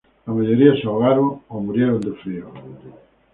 La mayoría se ahogaron o murieron de frío.